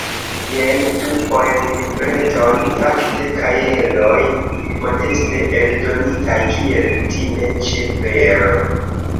Jen du poemlibretoj, fakte kajeroj modeste eldonitaj, kiel kutime ĉe Bero.